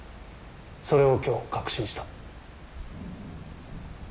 それを今日確信した。